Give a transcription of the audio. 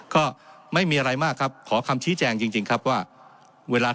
ก็ไม่มีอะไรมากครับขอคำชี้แจงจริงครับว่าเวลา